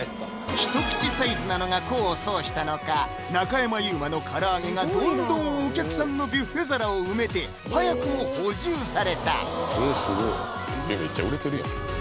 ひと口サイズなのが功を奏したのか中山優馬の唐揚げがどんどんお客さんのビュッフェ皿を埋めて早くも補充されたスゲえめっちゃ売れてるやん